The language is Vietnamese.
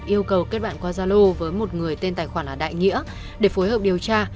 yêu cầu kết bạn qua gia lô với một người tên tài khoản là đại nghĩa để phối hợp điều tra